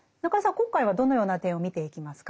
今回はどのような点を見ていきますか？